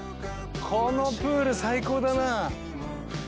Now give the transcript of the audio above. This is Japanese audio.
このプール最高だな。